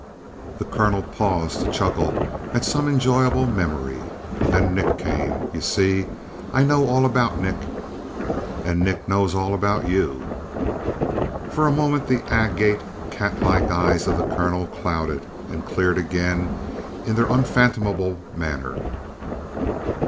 The colonel paused to chuckle at some enjoyable memory. "Then Nick came. You see, I know all about Nick." "And Nick knows all about you?" For a moment the agate, catlike eyes of the colonel clouded and cleared again in their unfathomable manner.